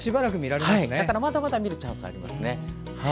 だからまだまだ見るチャンスはありますね。